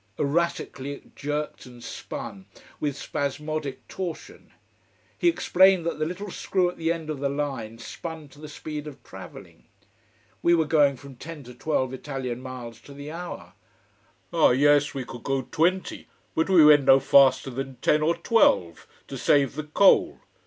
Erratically it jerked and spun, with spasmodic torsion. He explained that the little screw at the end of the line spun to the speed of travelling. We were going from ten to twelve Italian miles to the hour. Ah, yes, we could go twenty. But we went no faster than ten or twelve, to save the coal.